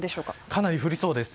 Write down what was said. かなり降りそうです。